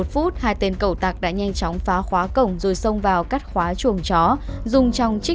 vì vậy mà tệ nạn trộm chó đang chưa thực sự mạnh